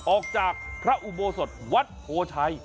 ออกจากพระอุโบสถวัดโพชัย